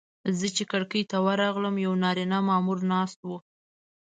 زه چې کړکۍ ته ورغلم یو نارینه مامور ناست و.